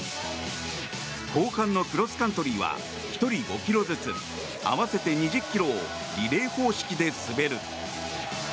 後半のクロスカントリーは１人５ｋｍずつ合わせて２０ｋｍをリレー方式で滑る。